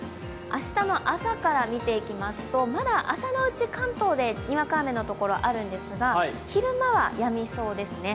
明日の朝から見ていきますと、まだ朝のうち関東でにわか雨の所があるんですが、昼間はやみそうですね。